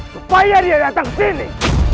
supaya dia datang ke sini